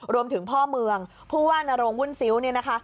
รวมถึงพ่อเมืองผู้ว่านโรงวุ่นซิ้วเนี่ยนะคะ